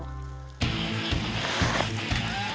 konsepnya jalan jalan ini terlalu berat